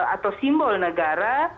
atau simbol negara